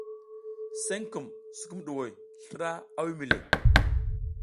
Senkum sukumɗuhoy slra a wimi le.